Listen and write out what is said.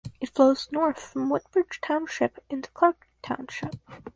It flows north from Woodbridge Township into Clark Township.